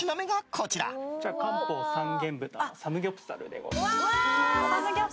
こちら、漢方三元豚のサムギョプサルでございます。